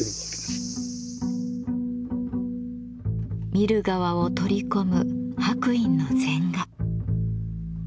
見る側を取り込む白隠の禅画。